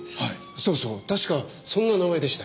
そうそう確かそんな名前でしたよ。